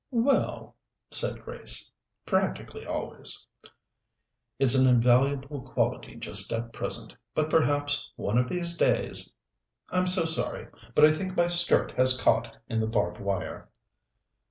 "Well," said Grace, "practically always." "It's an invaluable quality just at present, but perhaps one of these days " "I'm so sorry, but I think my skirt has caught in the barbed wire."